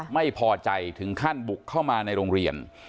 ไม่พอใจถึงขั้นบุกเข้ามาในโรงเรียน